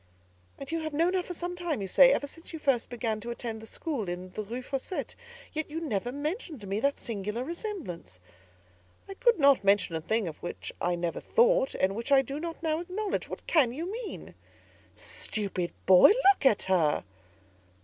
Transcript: "And you have known her some time, you say—ever since you first began to attend the school in the Rue Fossette:—yet you never mentioned to me that singular resemblance!" "I could not mention a thing of which I never thought, and which I do not now acknowledge. What can you mean?" "Stupid boy! look at her."